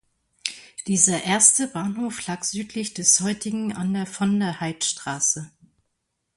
Dieser erste Bahnhof lag südlich des heutigen an der Von-der-Heydt-Straße.